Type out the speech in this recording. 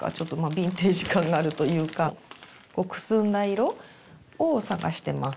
ビンテージ感があるというかくすんだ色を探してます。